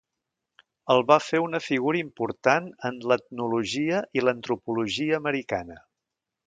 El va fer una figura important en l'etnologia i l'antropologia americana.